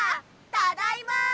ただいま！